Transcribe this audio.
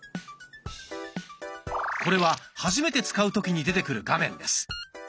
これは初めて使う時に出てくる画面です。